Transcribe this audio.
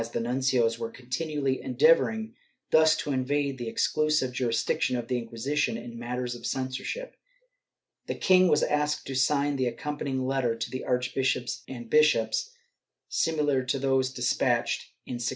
IV] INDEPENDENCE OF ROME 637 the nuncios were continually endeavoring thus to invade the exclu sive jurisdiction of the Inquisition in matters of censorship, the king was asked to sign the accompanying letters to the archbishops and bishops, similar to those despatched in 1627.